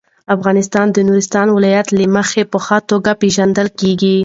افغانستان د نورستان د ولایت له مخې په ښه توګه پېژندل کېږي.